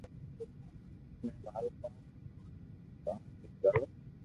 مي مارو ڪوم ڪوم ھي ڪروُ